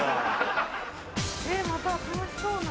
また楽しそうな。